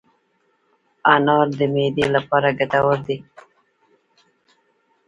انار د معدې لپاره ګټور دی.